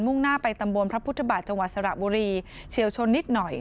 ่งหน้าไปตำบลพระพุทธบาทจังหวัดสระบุรีเฉียวชนนิดหน่อย